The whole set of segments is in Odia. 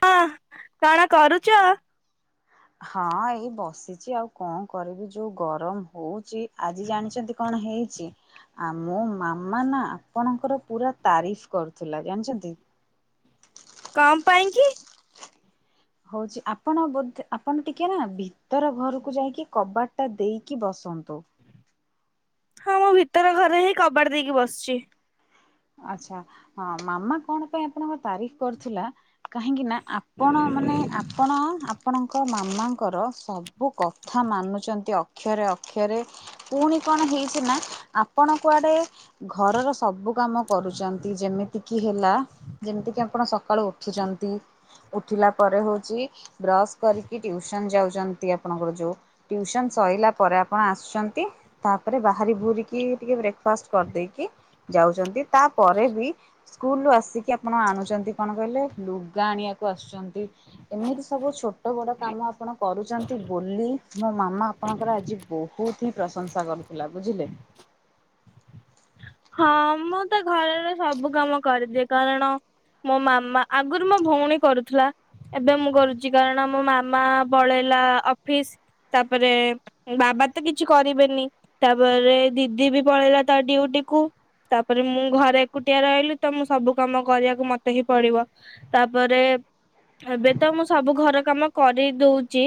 ହଁ, କଣ କରୁଚ? ହଁ ଏଇ ବସିଛି ଆଉ କଣ କରିବି। ଯୋଉ ଗରମ ହଉଛି। ଆଜି ଜାଣିଛନ୍ତି କଣ ହେଇଛି? ଆ ମୋ ମାମା ନା ଆପଣଙ୍କର ପୁରା ତାରିଫ୍ କରୁଥିଲା। ଜାଣିଛନ୍ତି? କଣ ପାଇଁ କି? ହଉଛି ଆପଣ ବୋଧେ ଆପଣ ଟିକେ ନା ଭିତର ଘରକୁ ଯାଇକି କବାଟ ଟା ଦେଇକି ବସନ୍ତୁ। ହଁ, ମୁଁ ଭିତର ଘରେ ହିଁ କବାଟ ଦେଇକି ବସିଛି। ଆଛା। ହଁ ମାମା କଣ ପାଇଁ ଆପଣଙ୍କ ତାରିଫ କରୁଥିଲା, କାହିଁକି ନା ଆପଣ ମାନେ ଆପଣ ଆ ଆପଣଙ୍କ ମାମାଙ୍କର ସବୁ କଥା ମାନୁଛନ୍ତି ଅକ୍ଷରେ ଅକ୍ଷରେ। ପୁଣି କଣ ହେଇଛି ନା ଆପଣ କୁଆଡେ ଘରର ସବୁ କାମ କରୁଛନ୍ତି। ଯେମିତିକି ହେଲା ଯେମିତିକି ଆପଣ ସକାଳୁ ଉଠୁଛନ୍ତି। ଉଠିଲା ପରେ ହଉଛି, ବ୍ରଶ କରିକି ଟ୍ୟୁସନ ଯାଉଛନ୍ତି ଆପଣଙ୍କର ଯୋଉ ଟ୍ୟୁସନ ସରିଲା ପରେ ଆପଣ ଆସୁଛନ୍ତି। ତାପରେ ବାହାରି ଭୁରିକି ଟିକେ ବ୍ରେକ୍ ଫାଷ୍ଟ୍ କରିଦେଇକି ଯାଉଛନ୍ତି ତାପରେ ବି ସ୍କୁଲ୍ ରୁ ଆସିକି ଆପଣ ଆଣୁଛନ୍ତି କଣ କହିଲେ ଲୁଗା ଆଣିବାକୁ ଆସୁଛନ୍ତି। ଏମିତି ସବୁ ଛୋଟ ବଡ କାମ ଆପଣ କରୁଛନ୍ତି। ବୋଲି ମୋ ମାମା ଆପଣଙ୍କର ଆଜି ବହୁତ ହିଁ ପ୍ରଶଂସା କରୁଥିଲା। ବୁଝିଲେ? ହଁ, ମୁଁ ତ ଘରର ସବୁ କାମ କରିଦିଏ କାରଣ ମୋ ମାମା, ଆଗରୁ ମୋ ଭଉଣୀ କରୁଥିଲା। ଏବେ ମୁଁ କରୁଛି କାରଣ ମୋ ମାମା ପଳେଇଲା ଅଫିସ୍ ତାପରେ ବାବା ତ କିଛି କରିବେନି, ତାପରେ ଦିଦି ବି ପଳେଇଲା ତା ଡିଉଟି। କୁ ତାପରେ ମୁଁ ଘରେ ଏକୁଟିଆ ରହିଲି ତ ମୁଁ ସବୁ କାମ କରିବାକୁ ମତେ ହିଁ ପଡିବ। ତାପରେ ଏବେ ତ ମୁଁ ସବୁ ଘର କାମ କରି ଦଉଚି।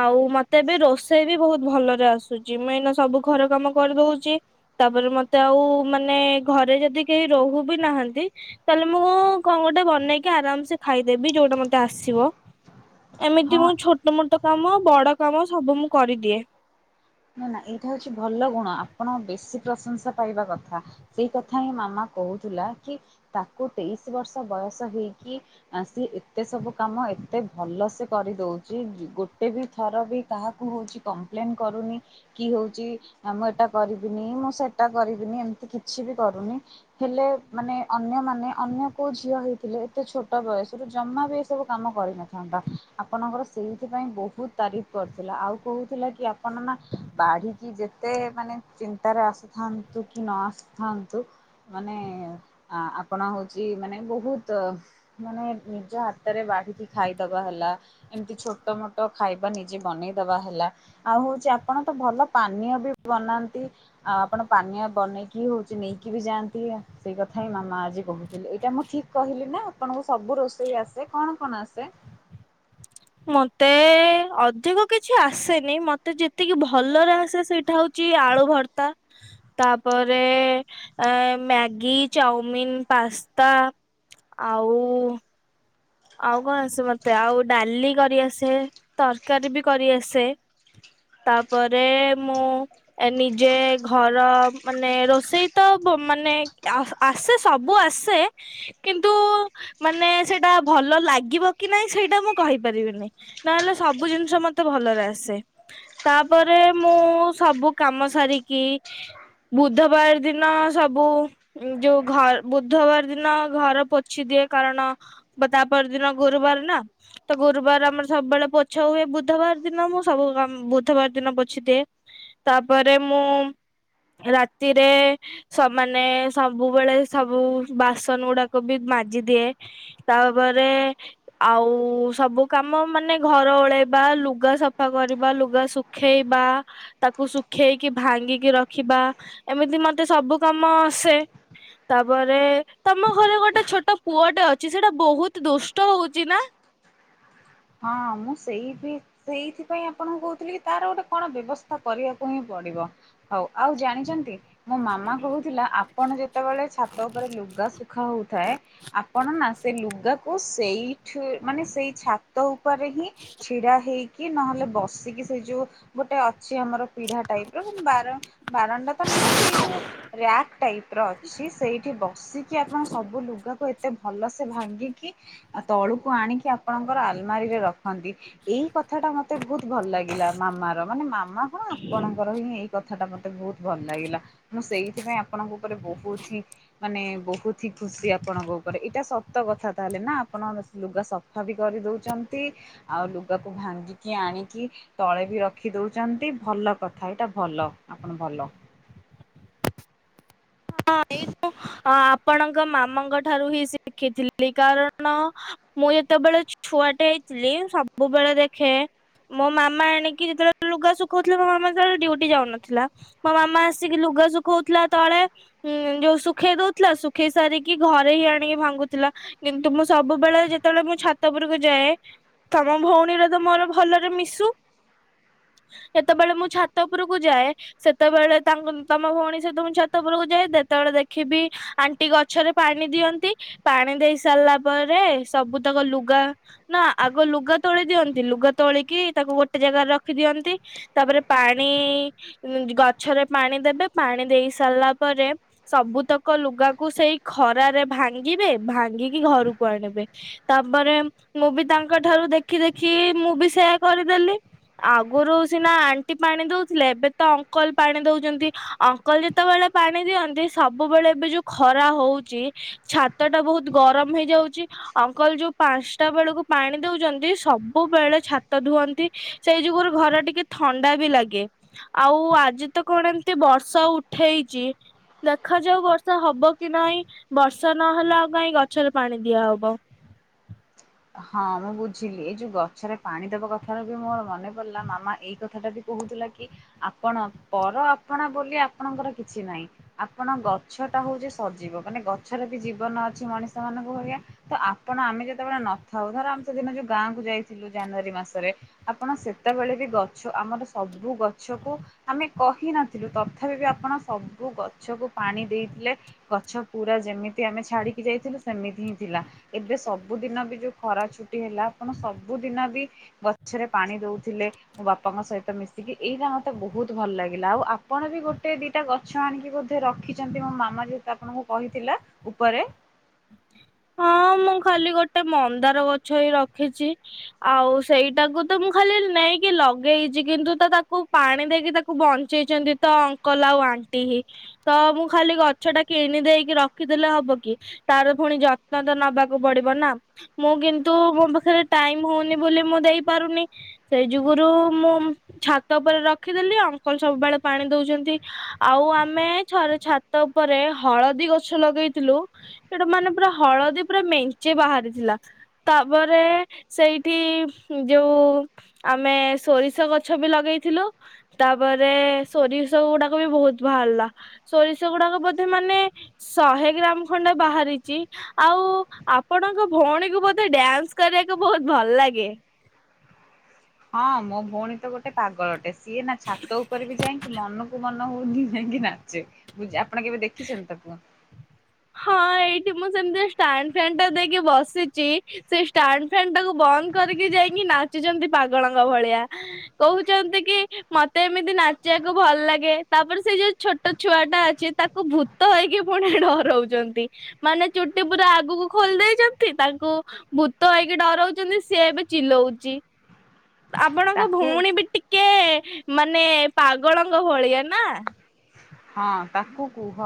ଆଉ ମତେ ଏବେ ରୋଷେଇ ବି ବହୁତ ଭଲରେ ଆସୁଚି ମୁଁ ଏଇନା ସବୁ ଘର କାମ କରି ଦଉଚି। ତାପରେ ମତେ ଆଉ ମାନେ ଘରେ ଯଦି କେଇ ରହୁ ବି ନାହାନ୍ତି ତାଏଲେ ମୁଁ କଣ ଗୋଟେ ବନେଇକି ଆରାମସେ ଖାଇଦେବି ଯୋଉଟା ମତେ ଆସିବ। ଏମିତି ହଁ ମୁଁ ଛୋଟ ମୋଟ କାମ ବଡ କାମ ସବୁ ମୁଁ କରିଦିଏ। ନା ନା ଏଇଟା ହଉଚି ଭଲ ଗୁଣ ଆପଣ ବେଶୀ ପ୍ରଶଂସା ପାଇବା କଥା। ସେଇ କଥା ହିଁ ମାମା କହୁଥିଲା କି ତାକୁ ତେଇଶି ବର୍ଷ ବୟସ ହେଇକି ଆ ସିଏ ଏତେ ସବୁ କାମ ଏତେ ଭଲ ସେ କରିଦଉଚି ଗୋଟେ ବି ଥର ବି କାହାକୁ ହଉଚି କମ୍ପ୍ଲେନ୍ କରୁନି। କି ହଉଚି ନା ମୁଁ ଏଇଟା କରିବିନି ମୁଁ ସେଟା କରିବିନି ଏମିତି କିଛି ବି କରୁନି। ହେଲେ ମାନେ ଅନ୍ୟମାନେ ଅନ୍ୟ କୋଉ ଝିଅ ହେଇଥିଲେ ଏତେ ଛୋଟ ବୟସରୁ ଜମା ବି ଏ ସବୁ କାମ କରିନଥାନ୍ତା ଆପଣଙ୍କର ସେଇଥିପାଇଁ ବହୁତ ତାରିଫ କରଥିଲା ଆଉ କହୁଥିଲା କି ଆପଣ ନା ବାଢିକି ଯେତେ ମାନେ ଚିନ୍ତାରେ ଆସୁଥାନ୍ତୁ କି ନ ଆସୁଥାନ୍ତୁ ମାନେ ଆଁ ଆପଣ ହଉଚି ମାନେ ବହୁତ ମାନେ ନିଜ ହାତରେ ବାଢିକି ଖାଇଦବା ହେଲା ଏମିତି ଛୋଟ ମୋଟ ଖାଇବା ନିଜେ ବନେଇ ଦବା ହେଲା ଆଉ ହଉଚି ଆ ଆପଣ ତ ଭଲ ପାନୀୟ ବି ବନାନ୍ତି। ଆଉ ଆପଣ ପାନୀୟ ବନେଇକି ହଉଚି ନେଇକି ବି ଯାଆନ୍ତି ସେଇ କଥା ହିଁ ମାମା ଆଜି କହୁଥିଲେ ଏଇଟା ମୁଁ ଠିକ କହିଲି ନା ଆପଣଙ୍କୁ ସବୁ ରୋଷେଇ ଆସେ କଣ କଣ ଆସେ? ମତେ ଅଧିକ କିଛି ଆସେନି ମତେ ଯେତିକି ଭଲରେ ଆସେ ସେଇଟା ହଉ ଚି ଆଳୁ ଭର୍ତା। ତାପରେ ଏଁ ମ୍ୟାଗି, ଚାଉମିନ, ପାସ୍ତା ଆଉ ଆଉ କଣ ଆସେ ମତେ ଆଉ ଡାଲି କରି ଆସେ ତରକାରୀ ବି କରିଆସେ ତାପରେ ମୁଁ ଏ ନିଜେ ଘର ମାନେ ରୋଷେଇ ତ ବ ମାନେ ଆସ ଆସେ ସବୁ ଆସେ କିନ୍ତୁ ମାନେ ସେଟା ଭଲ ଲାଗିବ କି ନାଇଁ ସେଇଟା ମୁଁ କହିପାରିବିନି। ନହେଲେ ସବୁ ଜିନିଷ ମତେ ଭଲରେ ଆସେ। ତାପରେ ମୁଁ ସବୁ କାମ ସାରିକି ବୁଧବାର ଦିନ ସବୁ ଉଁ ଯୋଉ ଘ ବୁଧବାର ଦିନ ଘର ପୋଛି ଦିଏ କାରଣ ବ ତା ପରଦିିନ ଗୁରୁବାର ନା। ତ ଗୁରୁବାର ଆମର ସବୁବେଳେ ପୋଛା ହୁଏ ବୁଧବାର ଦିନ ମୁଁ ସବୁ କାମ ବୁଧବାର ଦିନ ପୋଛି ଦିଏ। ତାପରେ ମୁଁ ରାତିରେ ସମାନେ ସବୁବେଳେ ସବୁ ବାସନ ଗୁଡାକ ବି ମାଜି ଦିଏ। ତାପରେ ଆଉ ସବୁ କାମ ମାନେ ଘର ଓଳେଇବା ଲୁଗା ସଫା କରିବା ଲୁଗା ଶୁ ଖେଇବା। ତାକୁ ଶୁଖେଇକି ଭାଙ୍ଗିକି ରଖିବା ଏମିତି ମତେ ସବୁ କାମ ଆସେ। ତାପରେ ତମ ଘରେ ଗୋଟେ ଛୋଟ ପୁଅଟେ ଅଛି ସେଟା ବହୁତ ଦୁଷ୍ଟ ହଉଚି ନା। ହଁ ମୁଁ ସେଇ ବିି ସେଇଥିପାଇଁ ଆପଣଙ୍କୁ କହୁଥିଲେ କି ତାର ଗୋଟେ କଣ ବ୍ୟବସ୍ଥା କରିବାକୁ ହିଁ ପଡିବ। ହଉ ଆଉ ଜାଣିଚନ୍ତି ମୋ ମାମା କହୁଥିଲା ଆପଣ ଯେତେବେଳେ ଛାତ ଉପରେ ଲୁଗା ଶୁଖା ହଉଥାଏ ଆପଣ ନା ସେ ଲୁଗାକୁ ସେଇ ସେ ମାନେ ସେଇ ଛାତ ଉପରେ ହିଁ ଛିଡା ହେଇକି ନହେଲେ ବସିକି ସେଇ ଯୋଉ ଗୋଟେ ଅଛି ଆମର ପିଢା ଟାଇପ ର କିନ୍ତୁ ବାର ବାରଣ୍ଡା ତ ନୁହଁ ସେଇ ଯୋଉ ରାକ୍ ଟାଇପ ର ଅଛି ସେଇଠି ବସିକି ଆପଣ ସବୁ ଲୁଗାକୁ ଏ ଏତେ ଭଲସେ ଭାଙ୍ଗିକି ଆ ତଳୁକୁ ଆଣିକି ଆପଣଙ୍କର ଆଲମାରିରେ ରଖନ୍ତି। ଏଇ କଥା ଟା ମତେ ବହୁତ ଭଲ ଲାଗିଲା ମାମାର ମାନେ ମାମା କଣ ଆପଣଙ୍କର ହିଁ ଏଇ କ କଥାଟା ମତେ ବହୁତ ଭଲ ଲାଗିଲା ମୁଁ ସେଇଥିପାଇଁ ଆପଣଙ୍କ ଉପରେ ବହୁତ ହିଁ ମାନେ ବହୁତ ହିଁ ଖୁସି ଆପଣଙ୍କ ଉପରେ ଏଇଟା ସତ କଥା ତାହେଲେ ନା ଆପଣ ଲୁଗା ସଫା ବି କରିଦଉ ଛନ୍ତି ଆଉ ଲୁଗାକୁ ଭାଙ୍ଗିକି ଆଣିକି ତଳେ ବି ରଖି ଦଉଛନ୍ତି ଭଲ କଥା ଏଇଟା ଭଲ ଆପଣ ଭଲ। ହଁ ଏଇ ଆପଣଙ୍କ ମାମାଙ୍କ ଠାରୁ ହିଁ ଶିଖିଥିଲି କାରଣ ମୁଁ ଯେତେବେଳେ ଛୁଆଟେ ହେଇଥିଲି ସବୁବେଳେ ଦେଖେ ମୋ ମାମା ଆଣିକି ଯେତେବେଳେ ଲୁଗା ଶୁଖାଉଥିଲେ ମୋ ମାମା ଯେତେବେଳେ ଡି ଉଟି ଯାଉନଥିଲା। ମୋ ମାମା ଆସିକି ଲୁଗା ଶୁଖଉଥିଲା ତଳେ ହୁଁ ଯୋଉ ଶୁଖେଇ ଦଉଥିଲା ଶୁଖେଇ ସାରିକି ଘରେ ହିଁ ଆଣିକି ଭାଙ୍ଗୁଥିଲା। କିନ୍ତୁ ମୁଁ ସବୁବେଳେ ଯେତେବେଳେ ମୁଁ ଛାତ ପୁରକୁ ଯାଏ ତମ ଭଉଣୀର ତ ମୋର ଭଲରେ ମିଶୁ। ଯେତେବେଳେ ମୁଁ ଛାତ ଉପରକୁ ଯାଏ ସେତେବେଳେ ତାଙ୍କୁ ତମ ଭଉଣୀ ସହିତ ମୁଁ ଛାତ ଉପୁରକୁ ଯାଏ। ଯେତେବେଳେ ଦେଖିବି ଆଣ୍ଟି ଗଛରେ ପାଣି ଦିଅନ୍ତି। ପାଣି ଦେଇ ସାରିଲା ପରେ ସବୁ ତକ ଲୁଗା ନା ଆଗ ଲୁଗା ତୋଳି ଦିଅନ୍ତି ଲୁଗା ତୋଳିକି ତାକୁ ଗୋଟେ ଜାଗାରେ ରଖିଦିଅନ୍ତି। ତାପରେ ପାଣି ଗଛରେ ପାଣି ଦେବେ ପାଣି ଦେଇ ସାରିଲା ପରେ ସବୁତକ ଲୁଗାକୁ ସେଇ ଖରାରେ ଭାଙ୍ଗିବେ ଭାଙ୍ଗିକି ଘରକୁ ଆଣିବେ। ତାପରେ ମୁଁ ବି ତାଙ୍କ ଠାରୁ ଦେଖି ଦେଖି ମୁଁ ବି ସେୟା କରିଦେଲି। ଆଗରୁ ସିନା ଆଣ୍ଟି ପାଣି ଦଉଥିଲେ ଏବେ ତ ଅଙ୍କଲ ପାଣି ଦଉଛନ୍ତି ଅ ଙ୍କଲ ଯେତେବେଳେ ପାଣି ଦିଅନ୍ତି ସବୁବେଳେ ଏବେ ଯୋଉ ଖରା ହଉଛି। ଛାତ ଟା ବହୁତ ଗରମ ହେଇଯାଉଛି। ଅଙ୍କଲ ଯୋଉ ପାଞ୍ଚଟା ବେଳକୁ ପାଣି ଦଉଛନ୍ତି ସବୁବେଳେ ଛାତ ଧୁଅନ୍ତି। ସେଇ ଯୁଗୁରୁ ଘର ଟିକେ ଥଣ୍ଡା ବି ଲାଗେ। ଆଉ ଆଜି ତ କଣ ଏମତି ବର୍ଷା ଉଠେଇଛି। ଦେଖାଯାଉ ବର୍ଷା ହବ କି ନାଇଁ ବର୍ଷା ନହେଲେ ଆଉ କାଇଁ ଗଛରେ ପାଣି ଦିଆହବ। ହଁ ମୁଁ ବୁଝିଲି ଏଇ ଯୋଉ ଗଛରେ ପାଣି ଦବା କଥାରୁ ବି ମୋର ମନେ ପଡିଲା ମାମା ଏଇ କଥାଟା ବି କହୁଥିଲା କି ଆପଣ ପର ଆପଣା ବୋଲି ଆପଣଙ୍କର କିଛି ନାହିଁ। ଆପଣ ଗଛ ଟା ହଉଛି ସଜିବ ମାନେ ଗଛରେ ବି ଜୀବନ ଅଛି ମଣିଷ ମାନଙ୍କ ଭଳିଆ। ତ ଆପଣ ଆମେ ଯେତେବେଳେ ନଥାଉ ଧର ଆମେ ସେଦିନ ଯୋଉ ଗାଁକୁୁ ଯାଇଥିଲୁ ଜାନୁଆରୀ ମାସରେ ଆପଣ ସେତେବେଳେ ବି ଗଛ ଆମର ସବୁ ଗଛକୁ ଆମେ କହିନଥିଲୁ ତଥାପି ବି ଆପଣ ସବୁ ଗଛକୁ ପାଣି ଦେଇଥିଲେ। ଗଛ ପୁରା ଯେମିତି ଆମେ ଛାଡିକି ଯାଇଥିଲୁ ସେମିତି ହିଁ ଥିଲା ଏବେ ସବୁଦିନ ବି ଯୋଉ ଖରା ଛୁଟି ହେଲା ଆପଣ ସବୁଦିନ ବି ଗଛରେ ପାଣି ଦଉଥିଲେ। ମୋ ବାପାଙ୍କ ସହିତ ମିଶିକି, ଏଇ ରା ମତେ ବହୁତ ଭଲ ଲାଗିଲା ଆଉ ଆପଣ ବି ଗୋଟେ ଦି ଏଟା ଗଛ ଆଣିକି ବୋଧେ ରଖିଛନ୍ତି ମୋ ମାମା ଯେହେତୁ ଆପଣଙ୍କୁ କହିଥିଲା ଉପରେ। ହଁ ମୁଁ ଖାଲି ଗୋଟେ ମନ୍ଦାର ଗଛ ହି ରଖିଛି। ଆଉ ସେଇଟାକୁ ତ ମୁଁ ଖାଲି ନେଇକି ଲଗେଇଛି କିନ୍ତୁ ତ ତାକୁ ପାଣି ଦେଇକି ତାକୁ କୁ ବଞ୍ଚେଇଛନ୍ତି ତ ଅଙ୍କଲ ଆଉ ଆଣ୍ଟି ହିଁ। ତ ମୁଁ ଖାଲି ଗଛ ଟା କିଣି ଦେଇକି ରଖିଦେଲେ ହବ କି ତାର ପୁଣି ଯ ତ୍ନ ନବାକୁ ପଡିବ ନା? ମୁଁ କିନ୍ତୁ ମୋ ପାଖରେ ଟାଇମ ହଉନି ବୋଲି ମୁଁ ଦେଇ ପାରୁନି। ସେଇ ଯୁଗୁରୁ ମୁଁ ଛାତ ଉପରେ ରଖିଦେଲି ଅଙ୍କଲ ସବୁବେଳେ ପାଣି ଦଉଛନ୍ତି। ଆଉ ଆମେ ଛରେ ଛାତ ଉପରେ ହଳଦୀ ଗଛ ଲଗେଇଥିଲୁ ସେଟା ମାନେ ପୁରା ହଳଦୀ ପୁରା ମେଞ୍ଚି ବାହାରିଥିଲା। ତାପରେ ସେଇଠି ଯୋଉ ଆମେ ସୋରିଷ ଗଛ ବି ଲଗେଇଥିଲୁ। ତାପରେ ସୋରିଷ ଗୁଡାକ ବି ବହୁତ ବାହାରିଲା ସୋରିଷ ଗୁଡାକ ବୋଧେ ମାନେ ଶହେ ଗ୍ରାମ ଖଣ୍ଡେ ବାହାରିଛି। ଆଉ ଆପଣଙ୍କ ଭଉଣୀକୁ ବୋଧେ ଡ୍ୟାନ୍ସ କରିବାକୁ ବହୁତ ଭଲ ଲାଗେ? ହଁ ମୋ ଭଉଣୀ ତ ଗୋଟେ ପାଗଳଟେ ସିଏ ନା ଛାତ ଉପରେ ବି ଯାଇକି ମନକୁ ମନ ହଉଚି ହେଇଁକି ନାଚେ ପୂଜା ଆପଣ କେବେ ଦେଖିଛନ୍ତି ତାକୁ? ହଁ ଏଇଠି ମୁଁ ସେମିତି ଷ୍ଟାଣ୍ଡ ଫ୍ୟାନ ଟା ଦେଇକି ବସିଛି। ସେ ଷ୍ଟାଣ୍ଡ ଫ୍ୟାନ ଟାକୁ ବନ୍ଦ କରିକି ଯାଇକି ନାଚୁଛନ୍ତି ପାଗଳଙ୍କ ଭଳିଆ। କହୁଛନ୍ତି କି ମତେ ଏମିତି ନାଚିବାକୁ ଭଲ ଲାଗେ ତାପରେ ସେ ଯୋଉ ଛୋଟ ଛୁଆ ଟା ଅଛି ତାକୁ ଭୂ ତ ହେଇକି ପୁଣି ଡରଉଛନ୍ତି ମାନେ ଚୁଟି ପୁରା ଆଗକୁ ଖୋଲି ଦେଇେଇଛନ୍ତି ତାଙ୍କୁ ଭୂତ ହେଇକି ଡରଉଛନ୍ତି ସିଏ ଏବେ ଚିଲଉଛି। ଆପଣଙ୍କ ତାକୁ ଭଉଣୀ ବି ଟିକେ ମାନେ ପାଗଳଙ୍କ ଭଳିଆ ନା? ହଁ ତାକୁ କୁହ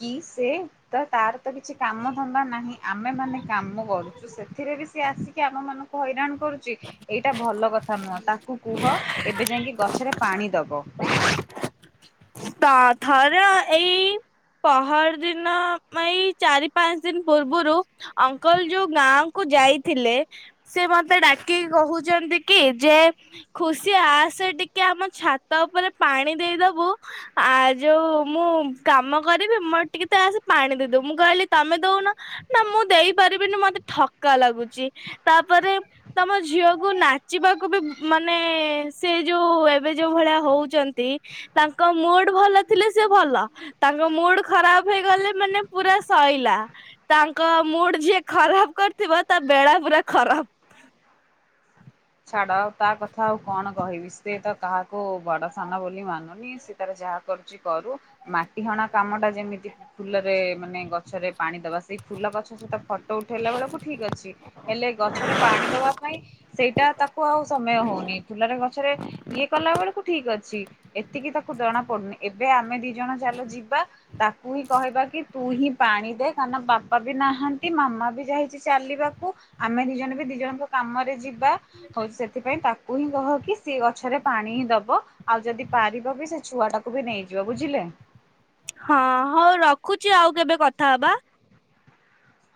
କି ସେ ତ ତାର ତ କିଛି କାମ ଧନ୍ଦା ନାହିଁ ଆମେ ମାନେ କାମ କରୁଛୁ ସେଥିରେ ବି ସିଏ ଆସି କି ଆମ ମାନଙ୍କୁ ହଇରାଣ କରୁଛି ଏଇଟା ଭଲ କଥା ନୁହଁ ତାକୁ କୁହ ଏବେ ଯାଇକି ଗଛରେ ପାଣି ଦବ। ତ ଥରେ ଏଇ ପହର ଦିନ ଏଇ ଚାରି ପାଞ୍ଚ ଦିନ ପୂର୍ବରୁ ଅଙ୍କଲ ଯୁ ଗାଁ କୁ ଯାଇଥିଲେ ସିଏ ମତେ ଡାକିକି କହୁଛନ୍ତି କି ଯେ ଖୁସି ଆସେ ଟିକେ ଆମ ଛାତ ଉପରେ ପାଣି ଦେଇଦବୁ ଆ ଯୋଉ ମୁଁ କାମ କରିବି ମୋର ଟିକେ ତ ଆସ ପାଣି ଦେଇ ଦବୁ ମୁଁ କହିଲି ତମେ ଦଉନ? ନା ମୁଁ ଦେଇପାରିବିନି ମତେ ଥକ୍କା ଲାଗୁଚି ତାପରେ ତମ ଝିଅକୁ ନାଚିବାକୁ ବି ମାନେ ସେ ଯୋଉ ଏବେ ଯୋଉ ଭଳିଆ ହଉଛନ୍ତି। ତାଙ୍କ ମୁଡ୍ ଭଲ ଥିଲେ ସେ ଭଲ ତାଙ୍କ ମୁଡ୍ ଖରାପ ହେଇଗଲେ ମାନେ ପୁରା ଶଇଲା। ତାଙ୍କ ମୁଡ୍ ଯିଏ ଖରାପ କରିଥିବା ତା ବେଳା ପୁରା ଖରାପ। ଛାଡ ଆଉ ତା କଥା ଆଉ କଣ କହିବି ସେ ତ କାହାକୁ ବଡ ସାନ ବୋଲି ମାନୁ ସେ ତାର ଯାହା କରୁଛି କରୁ ମାଟି ହଣା କାମ ଟା ଯେମିତି ଫୁଲରେ ମାନେ ଗଛରେ ପାଣି ଦବା ସେଇ ଫୁଲ ଗଛ ସହିତ ଫଟୋ ଉଠେଇଲା ବେଳକୁ ଠିକ ଅଛି। ହେଲେ ଗଛରେ ପାଣି ଦବା ପାଇଁ ସେଇଟା ତାକୁ ଆଉ ସମୟ ହଉନି ଫୁଲରେ ଗଛରେ ଇଏ କଲା ବେଳକୁ ଠିକ୍ ଅଛି ଏତିକି ତାକୁ ଜଣା ପଡୁନି। ଏବେ ଆମେ ଦି ଜଣ ଚାଲ ଯିବା ତାକୁ ହିଁ କହିବା କି ତୁ ହିଁ ପାଣି ଦେ କାରଣ ବା ବାପା ବି ନାହାନ୍ତି ମାମା ବି ଯାଇଛି ଚାଲିବାକୁ ଆମେ ଦି ଜଣ ବି ଦି ଜଣଙ୍କ କାମରେ ଯିବା। ହଉଛି ସେଥିପାଇଁ ତାକୁ ହିଁ କହ କିି ସେ ଗଛରେ ପାଣି ହିଁ ଦବ। ଆଉ ଯଦି ପାରିବ ବି ସେ ଛୁଆଟାକୁ ବି ନେଇଯିବ ବୁଝିଲେ? ହଁ ହଉ ରଖୁଚି ଆଉ କେବେ କଥା ହବା।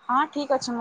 ହଁ ଠିକ୍ ଅଛି ମୁଁ